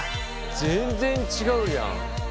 全然違うじゃん！